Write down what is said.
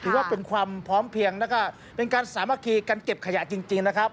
ถือว่าเป็นความพร้อมเพียงแล้วก็เป็นการสามัคคีการเก็บขยะจริงนะครับ